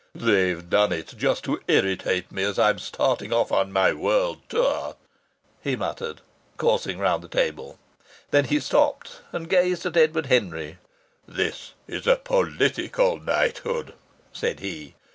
"They've done it just to irritate me as I'm starting off on my world's tour," he muttered, coursing round the table. Then he stopped and gazed at Edward Henry. "This is a political knighthood," said he.